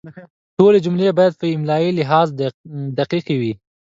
ټولې جملې باید په املایي لحاظ دقیقې وي.